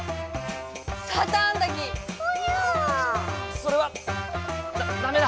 それはダダメだ！